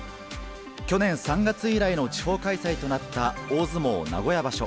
去年３月以来の地方開催となった、大相撲名古屋場所。